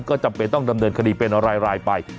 ก็จำเป็นต้องดำเนินคดีเป็นรายไป